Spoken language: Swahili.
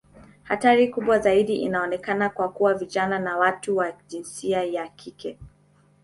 Hatari kubwa zaidi inaonekana kuwa kwa vijana na watu wa jinsia ya kike.